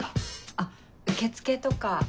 あっ受付とか。